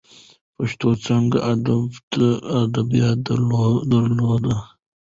پښتو څانګه ادبیات درلودل.